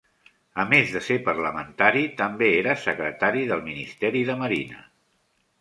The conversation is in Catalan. A més de ser parlamentari, també era secretari del Ministeri de Marina.